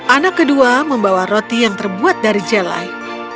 anak kedua membawa roti yang terbuat dari jelai